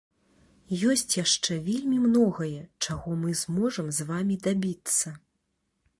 Ёсць яшчэ вельмі многае, чаго мы зможам з вамі дабіцца.